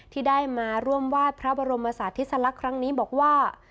ที่ได้มาร่วมวาดพระบรมศาสติสลักษณ์ครั้งนี้บอกว่า